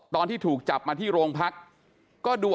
ตอนที่ถูกจับมาที่โรงพักก็ดู